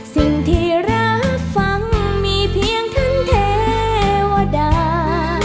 สิ่งที่รับฟังมีเพียงท่านเทวดา